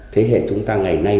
thế hệ chúng ta ngày nay